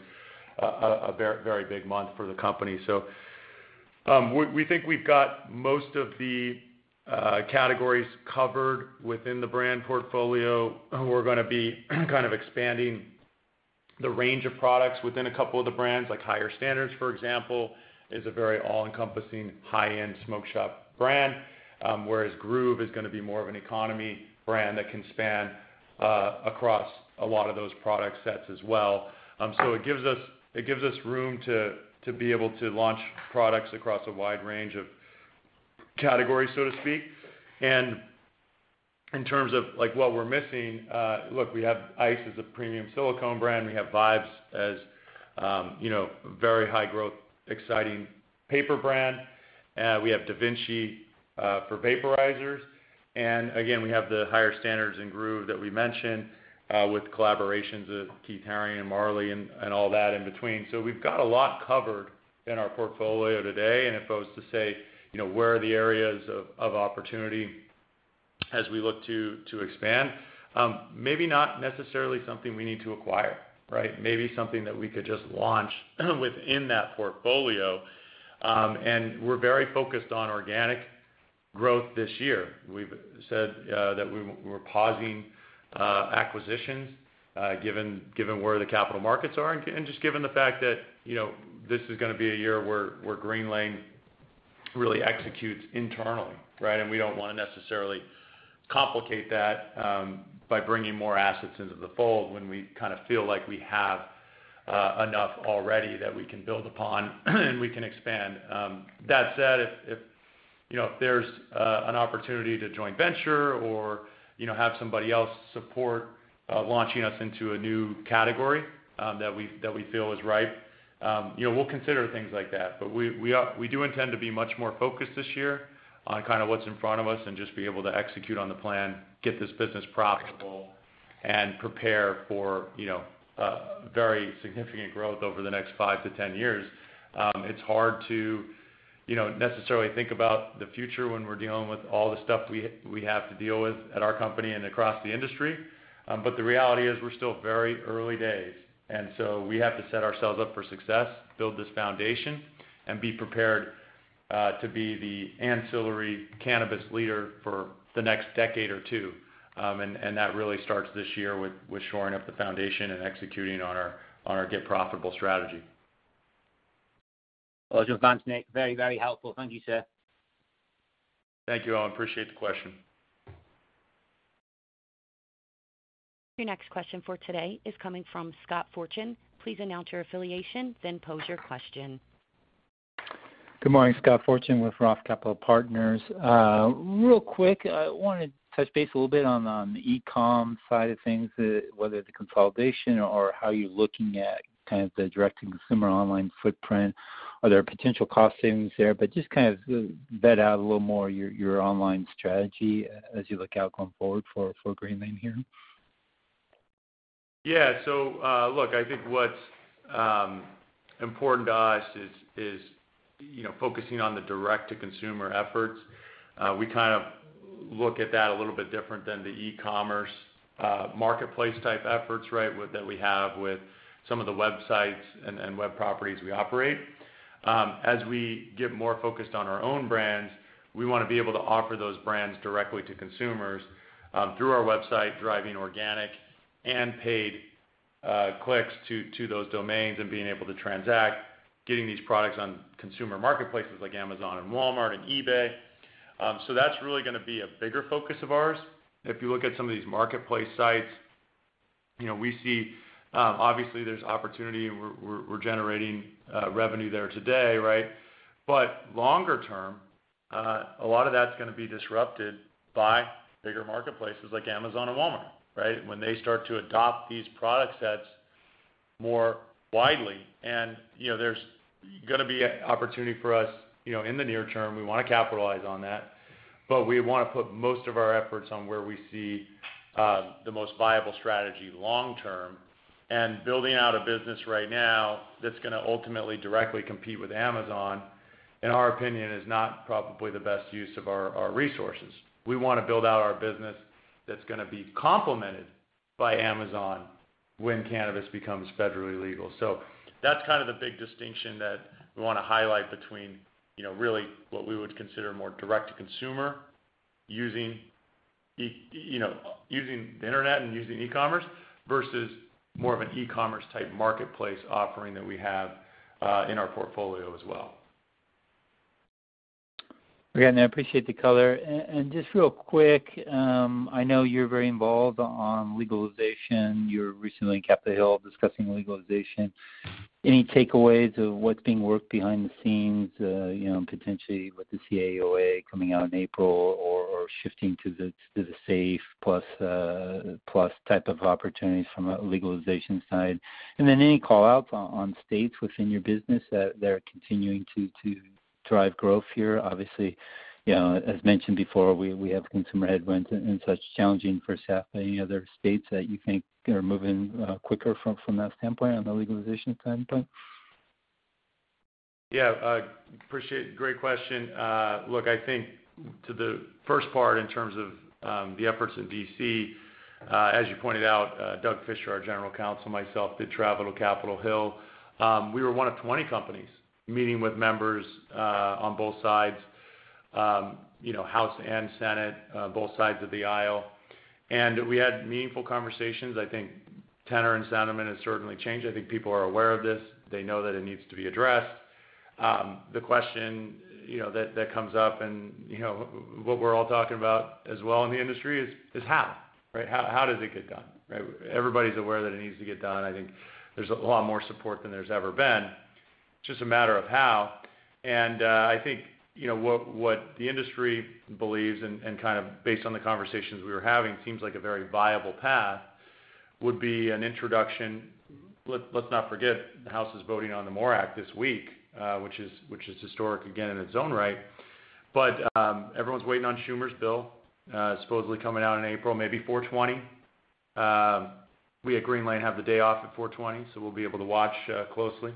Speaker 2: a very big month for the company. We think we've got most of the categories covered within the brand portfolio. We're gonna be kind of expanding the range of products within a couple of the brands. Like Higher Standards, for example, is a very all-encompassing high-end smoke shop brand, whereas Groove is gonna be more of an economy brand that can span across a lot of those product sets as well. It gives us room to be able to launch products across a wide range of categories, so to speak. In terms of like what we're missing, look, we have Eyce as a premium silicone brand. We have VIBES as, you know, very high growth, exciting paper brand. We have DaVinci for vaporizers. Again, we have the Higher Standards, and Groove that we mentioned, with collaborations of Keith Haring and Marley and all that in between. So we've got a lot covered in our portfolio today. If I was to say, you know, where are the areas of opportunity as we look to expand, maybe not necessarily something we need to acquire, right? Maybe something that we could just launch within that portfolio. We're very focused on organic growth this year. We've said that we're pausing acquisitions given where the capital markets are and just given the fact that, you know, this is gonna be a year where Greenlane really executes internally, right? We don't wanna necessarily complicate that by bringing more assets into the fold when we kinda feel like we have enough already that we can build upon and we can expand. That said, if, you know, if there's an opportunity to joint venture or, you know, have somebody else support launching us into a new category that we feel is ripe, you know, we'll consider things like that. We do intend to be much more focused this year on kind of what's in front of us and just be able to execute on the plan, get this business profitable and prepare for, you know, very significant growth over the next 5-10 years. It's hard to, you know, necessarily think about the future when we're dealing with all the stuff we have to deal with at our company, and across the industry. The reality is we're still very early days, and so we have to set ourselves up for success, build this foundation, and be prepared to be the ancillary cannabis leader for the next decade or two. And that really starts this year with shoring up the foundation and executing on our get profitable strategy.
Speaker 6: Awesome. Thanks, Nick. Very, very helpful. Thank you, sir.
Speaker 2: Thank you all. Appreciate the question.
Speaker 1: Your next question for today is coming from Scott Fortune. Please announce your affiliation, then pose your question.
Speaker 7: Good morning. Scott Fortune with Roth Capital Partners. Real quick, I wanted to touch base a little bit on the e-com side of things, whether the consolidation or how you're looking at kind of the direct-to-consumer online footprint. Are there potential cost savings there? Just kind of vet out a little more your online strategy as you look out going forward for Greenlane here.
Speaker 2: Yeah. Look, I think what's important to us is, you know, focusing on the direct-to-consumer efforts. We kind of look at that a little bit different than the e-commerce marketplace type efforts that we have with some of the websites and web properties we operate. As we get more focused on our own brands, we wanna be able to offer those brands directly to consumers through our website, driving organic, and paid clicks to those domains and being able to transact, getting these products on consumer marketplaces like Amazon and Walmart and eBay. That's really gonna be a bigger focus of ours. If you look at some of these marketplace sites, you know, we see obviously there's opportunity and we're generating revenue there today, right? Longer term, a lot of that's gonna be disrupted by bigger marketplaces like Amazon and Walmart, right? When they start to adopt these product sets more widely. You know, there's gonna be an opportunity for us, you know, in the near term, we wanna capitalize on that, but we wanna put most of our efforts on where we see the most viable strategy long term. Building out a business right now that's gonna ultimately directly compete with Amazon, in our opinion, is not probably the best use of our resources. We wanna build out our business that's gonna be complemented by Amazon when cannabis becomes federally legal. That's kind of the big distinction that we wanna highlight between, you know, really what we would consider more direct-to-consumer, you know, using the internet and using e-commerce versus more of an e-commerce type marketplace offering that we have in our portfolio as well.
Speaker 7: Again, I appreciate the color. Just real quick, I know you're very involved on legalization. You were recently on Capitol Hill discussing legalization. Any takeaways of what's being worked behind the scenes, potentially with the CAOA coming out in April or shifting to the SAFE Plus type of opportunities from a legalization side? Any call outs on states within your business that are continuing to drive growth here? Obviously, as mentioned before, we have consumer headwinds and such challenging for staff. Any other states that you think are moving quicker from that standpoint on the legalization standpoint?
Speaker 2: Yeah. Appreciate it. Great question. Look, I think to the first part in terms of, the efforts in D.C., as you pointed out, Doug Fischer, our general counsel, myself, did travel to Capitol Hill. We were one of 20 companies meeting with members, on both sides, you know, House and Senate, both sides of the aisle. We had meaningful conversations. I think tenor and sentiment has certainly changed. I think people are aware of this. They know that it needs to be addressed. The question, you know, that comes up and, you know, what we're all talking about as well in the industry is how, right? How does it get done? Right? Everybody's aware that it needs to get done. I think there's a lot more support than there's ever been. Just a matter of how. I think, you know, what the industry believes and kind of based on the conversations we were having, seems like a very viable path, would be an introduction. Let's not forget, the House is voting on the MORE Act this week, which is historic again in its own right. Everyone's waiting on Schumer's bill, supposedly coming out in April, maybe 4/20. We at Greenlane have the day off at 4/20, so we'll be able to watch closely.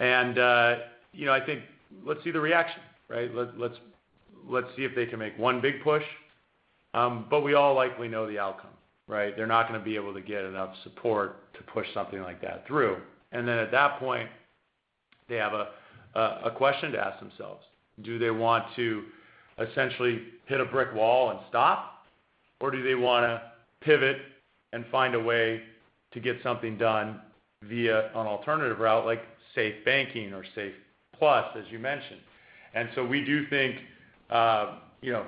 Speaker 2: You know, I think let's see the reaction, right? Let's see if they can make one big push. We all likely know the outcome, right? They're not gonna be able to get enough support to push something like that through. At that point, they have a question to ask themselves, do they want to essentially hit a brick wall and stop, or do they wanna pivot and find a way to get something done via an alternative route, like SAFE Banking or SAFE Banking Plus, as you mentioned. We do think, you know,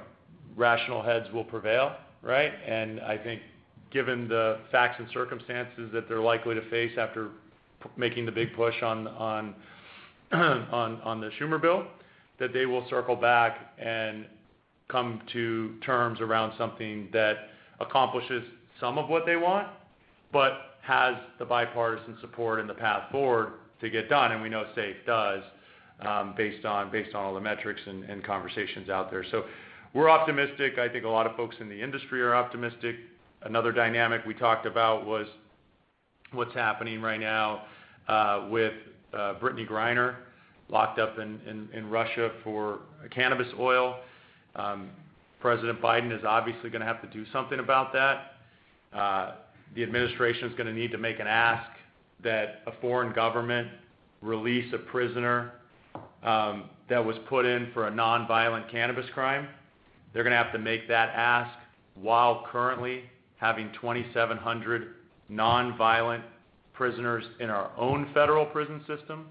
Speaker 2: rational heads will prevail, right? I think given the facts and circumstances that they're likely to face after making the big push on the Schumer bill, that they will circle back and come to terms around something that accomplishes some of what they want, but has the bipartisan support and the path forward to get done. We know SAFE does, based on all the metrics and conversations out there. We're optimistic. I think a lot of folks in the industry are optimistic. Another dynamic we talked about was what's happening right now with Brittney Griner locked up in Russia for cannabis oil. President Biden is obviously gonna have to do something about that. The administration is gonna need to make an ask that a foreign government release a prisoner that was put in for a nonviolent cannabis crime. They're gonna have to make that ask while currently having 2,700 nonviolent prisoners in our own federal prison system.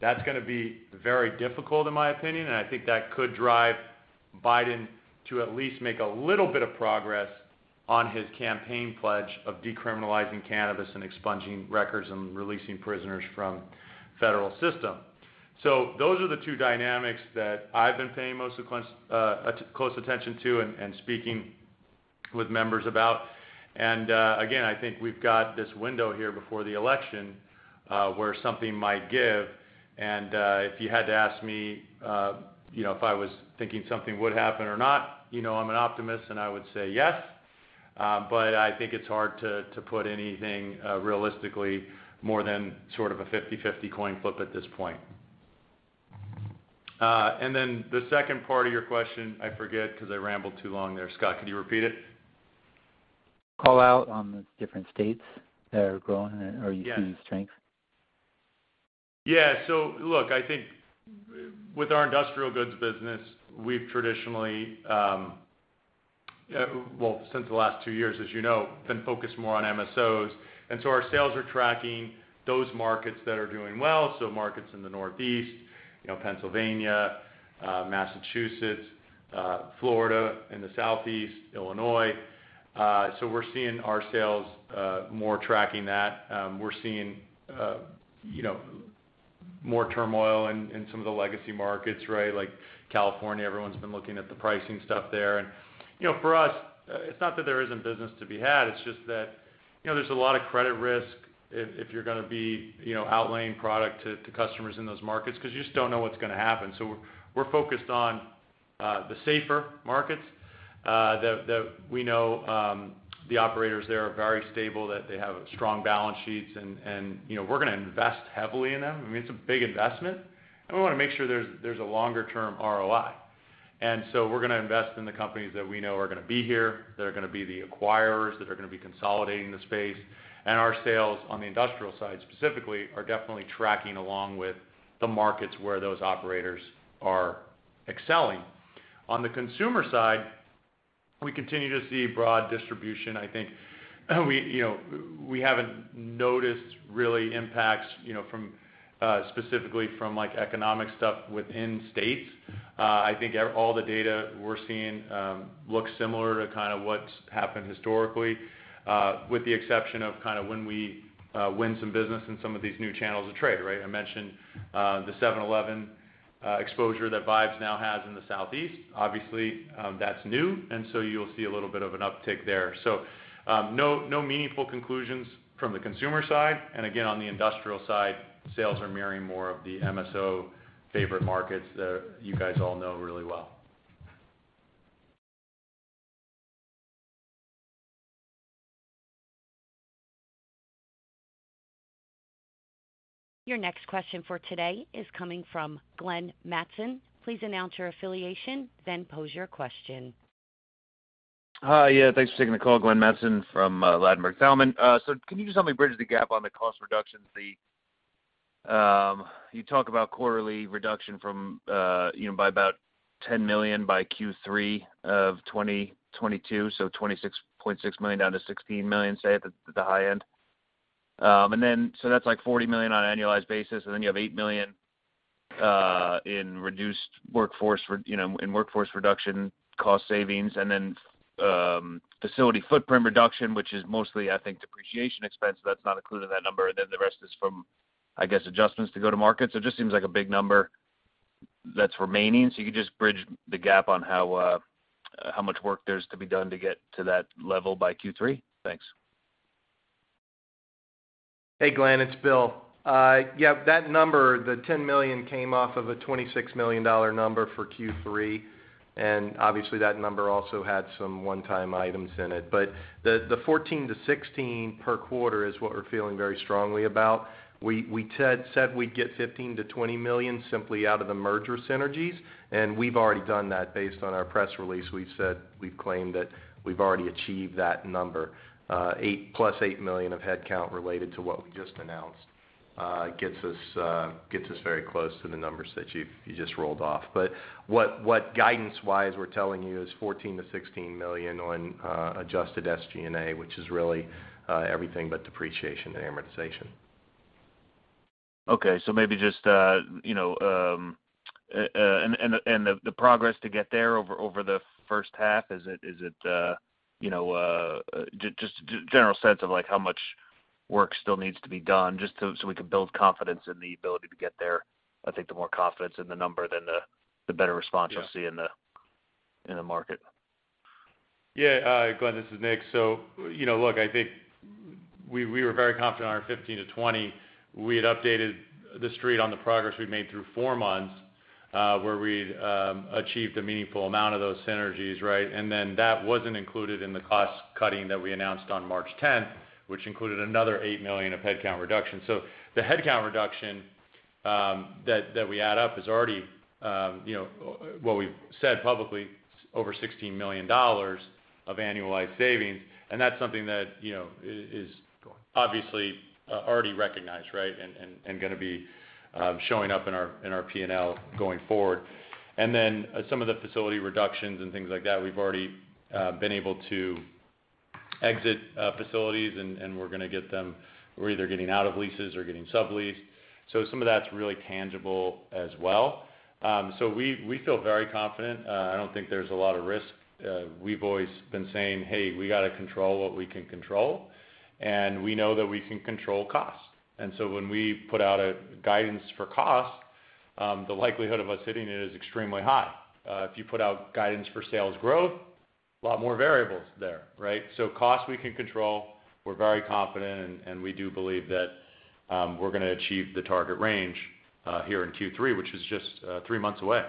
Speaker 2: That's gonna be very difficult in my opinion, and I think that could drive Biden to at least make a little bit of progress on his campaign pledge of decriminalizing cannabis and expunging records and releasing prisoners from federal system. Those are the two dynamics that I've been paying most of close attention to and speaking with members about. I think we've got this window here before the election, where something might give. If you had to ask me, you know, if I was thinking something would happen or not, you know I'm an optimist and I would say yes. But I think it's hard to put anything realistically more than sort of a 50-50 coin flip at this point. Then the second part of your question, I forget because I rambled too long there. Scott, could you repeat it?
Speaker 7: Call out on the different states that are growing or you see strength.
Speaker 2: Yeah. Look, I think with our Industrial Goods business, we've traditionally, well, since the last two years, as you know, been focused more on MSOs. Our sales are tracking those markets that are doing well. Markets in the Northeast, you know, Pennsylvania, Massachusetts, Florida in the Southeast, Illinois. We're seeing our sales more tracking that. We're seeing, you know, more turmoil in some of the legacy markets, right? Like California, everyone's been looking at the pricing stuff there. You know, for us, it's not that there isn't business to be had, it's just that, you know, there's a lot of credit risk if you're gonna be, you know, outlaying product to customers in those markets because you just don't know what's gonna happen. We're focused on the safer markets that we know the operators there are very stable, that they have strong balance sheets, and you know, we're gonna invest heavily in them. I mean, it's a big investment, and we wanna make sure there's a longer term ROI. We're gonna invest in the companies that we know are gonna be here, that are gonna be the acquirers, that are gonna be consolidating the space. Our sales on the industrial side specifically are definitely tracking along with the markets where those operators are excelling. On the consumer side, we continue to see broad distribution. I think we, you know, we haven't noticed really impacts, you know, from specifically from like economic stuff within states. I think all the data we're seeing looks similar to kind of what's happened historically, with the exception of kind of when we win some business in some of these new channels of trade, right? I mentioned the 7-Eleven exposure that VIBES now has in the Southeast. Obviously, that's new. You'll see a little bit of an uptick there. No meaningful conclusions from the consumer side. Again, on the industrial side, sales are mirroring more of the MSO favorite markets that you guys all know really well.
Speaker 1: Your next question for today is coming from Glenn Mattson. Please announce your affiliation, then pose your question.
Speaker 8: Hi. Yeah, thanks for taking the call. Glenn Mattson from Ladenburg Thalmann. So can you just help me bridge the gap on the cost reductions. You talk about quarterly reduction from, you know, by about $10 million by Q3 of 2022, so $26.6 million down to $16 million, say at the high end. That's like $40 million on an annualized basis, and then you have $8 million in reduced workforce, you know, in workforce reduction cost savings, and then facility footprint reduction, which is mostly, I think, depreciation expense, so that's not included in that number. The rest is from, I guess, adjustments to go to market. It just seems like a big number that's remaining. You could just bridge the gap on how much work there's to be done to get to that level by Q3. Thanks.
Speaker 3: Hey, Glenn, it's Bill. Yeah, that number, the $10 million came off of a $26 million number for Q3, and obviously that number also had some one-time items in it. The 14-16 per quarter is what we're feeling very strongly about. We said we'd get $15 million-$20 million simply out of the merger synergies, and we've already done that based on our press release. We've said we've claimed that we've already achieved that number. $8 million + $8 million of headcount related to what we just announced gets us very close to the numbers that you just reeled off. What guidance-wise we're telling you is $14 million-$16 million on adjusted SG&A, which is really everything but depreciation and amortization. Okay. Maybe just you know and the progress to get there over the first half, is it just general sense of like how much work still needs to be done so we can build confidence in the ability to get there. I think the more confidence in the number then the better response. Yeah. You'll see in the market.
Speaker 2: Glenn, this is Nick. You know, look, I think we were very confident on our $15 million-$20 million. We had updated the Street on the progress we made through four months, where we'd achieved a meaningful amount of those synergies, right? That wasn't included in the cost-cutting that we announced on March 10, which included another $8 million of headcount reduction. The headcount reduction that we add up is already, you know, what we've said publicly, over $16 million of annualized savings. That's something that, you know, is obviously already recognized, right? And gonna be showing up in our P&L going forward. Some of the facility reductions and things like that, we've already been able to exit facilities and we're gonna get them. We're either getting out of leases or getting subleased. Some of that's really tangible as well. We feel very confident. I don't think there's a lot of risk. We've always been saying, "Hey, we gotta control what we can control." We know that we can control cost. When we put out a guidance for cost, the likelihood of us hitting it is extremely high. If you put out guidance for sales growth, a lot more variables there, right? Cost we can control, we're very confident, and we do believe that we're gonna achieve the target range here in Q3, which is just three months away.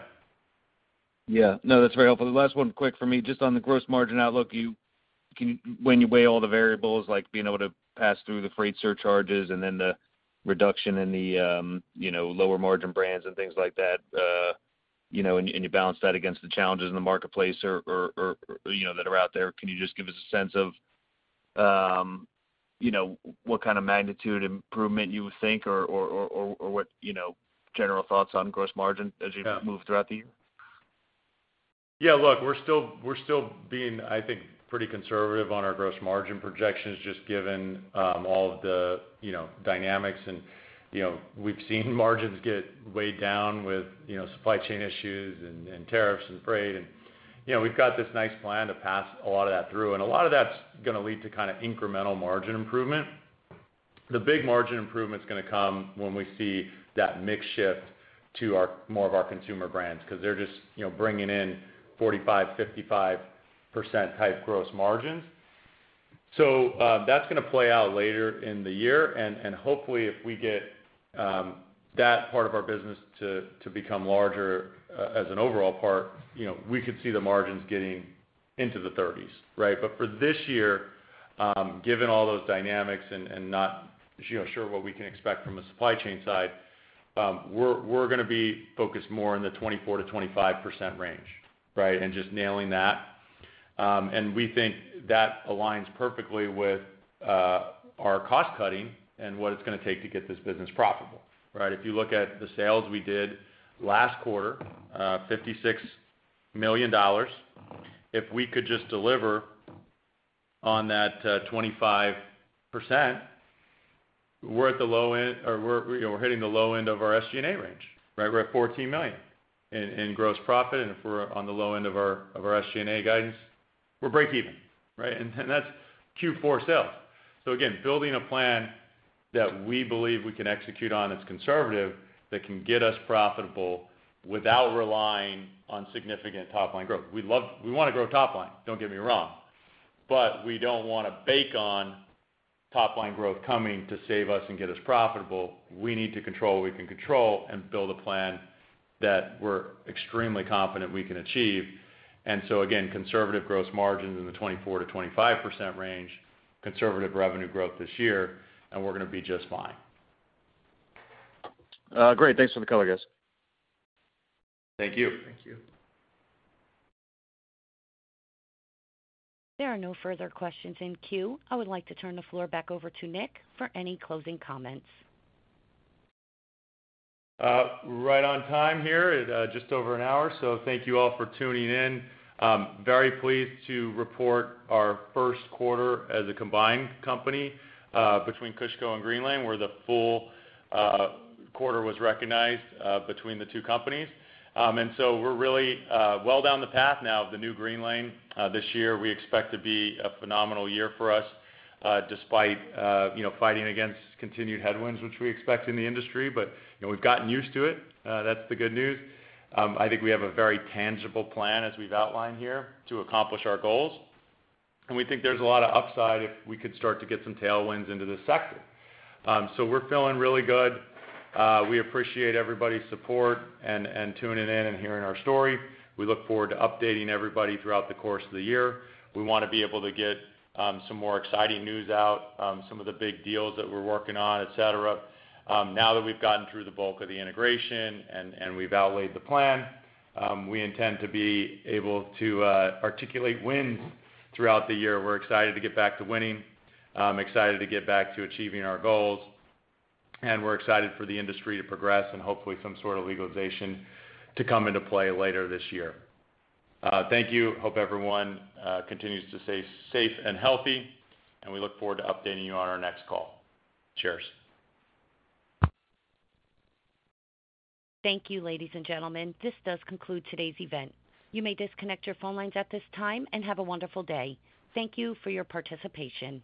Speaker 8: Yeah. No, that's very helpful. The last one, quick for me, just on the gross margin outlook, can you, when you weigh all the variables, like being able to pass through the freight surcharges and then the reduction in the lower margin brands and things like that, you know, and you balance that against the challenges in the marketplace or, you know, that are out there, can you just give us a sense of, you know, what kind of magnitude improvement you would think or what, you know, general thoughts on gross margin?
Speaker 2: Yeah.
Speaker 8: as you move throughout the year?
Speaker 2: Yeah, look, we're still being, I think, pretty conservative on our gross margin projections, just given all of the, you know, dynamics. You know, we've seen margins get weighed down with, you know, supply chain issues, and tariffs and freight. You know, we've got this nice plan to pass a lot of that through, and a lot of that's gonna lead to kind of incremental margin improvement. The big margin improvement's gonna come when we see that mix shift to more of our consumer brands, 'cause they're just, you know, bringing in 45-55% type gross margins. That's gonna play out later in the year. Hopefully, if we get that part of our business to become larger as an overall part, you know, we could see the margins getting into the 30s, right? For this year, given all those dynamics and not sure what we can expect from a supply chain side, we're gonna be focused more in the 24%-25% range, right? Just nailing that. We think that aligns perfectly with our cost-cutting and what it's gonna take to get this business profitable, right? If you look at the sales we did last quarter, $56 million. If we could just deliver on that 25%, we're at the low end, you know, hitting the low end of our SG&A range, right? We're at $14 million in gross profit. If we're on the low end of our SG&A guidance, we're breakeven, right? That's Q4 sales. Building a plan that we believe we can execute on that's conservative, that can get us profitable without relying on significant top-line growth. We'd love. We wanna grow top-line, don't get me wrong, but we don't wanna bank on top-line growth coming to save us and get us profitable. We need to control what we can control and build a plan that we're extremely confident we can achieve. Conservative gross margins in the 24%-25% range, conservative revenue growth this year, and we're gonna be just fine.
Speaker 8: Great. Thanks for the color, guys.
Speaker 2: Thank you.
Speaker 3: Thank you.
Speaker 1: There are no further questions in queue. I would like to turn the floor back over to Nick for any closing comments.
Speaker 2: Right on time here at just over an hour. Thank you all for tuning in. Very pleased to report our first quarter as a combined company between KushCo and Greenlane, where the full quarter was recognized between the two companies. We're really well down the path now of the new Greenlane. This year we expect to be a phenomenal year for us, despite you know, fighting against continued headwinds, which we expect in the industry. You know, we've gotten used to it. That's the good news. I think we have a very tangible plan, as we've outlined here, to accomplish our goals. We think there's a lot of upside if we could start to get some tailwinds into this sector. We're feeling really good. We appreciate everybody's support and tuning in and hearing our story. We look forward to updating everybody throughout the course of the year. We wanna be able to get some more exciting news out, some of the big deals that we're working on, et cetera. Now that we've gotten through the bulk of the integration and we've outlaid the plan, we intend to be able to articulate wins throughout the year. We're excited to get back to winning, excited to get back to achieving our goals, and we're excited for the industry to progress and hopefully some sort of legalization to come into play later this year. Thank you. Hope everyone continues to stay safe and healthy, and we look forward to updating you on our next call. Cheers.
Speaker 1: Thank you, ladies and gentlemen. This does conclude today's event. You may disconnect your phone lines at this time, and have a wonderful day. Thank you for your participation.